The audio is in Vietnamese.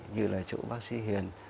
như là chỗ bác sĩ hiền